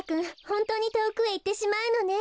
ホントにとおくへいってしまうのね。